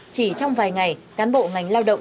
chỉ trong vài ngày cán bộ ngành lao động